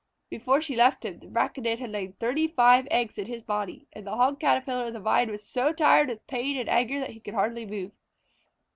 Before she left him, the Braconid had laid thirty five eggs in his body, and the Hog Caterpillar of the Vine was so tired with pain and anger that he could hardly move.